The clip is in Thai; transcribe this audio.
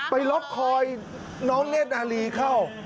ไปล็อกคอน้องเนธนารีเข้า